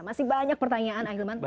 masih banyak pertanyaan ahilman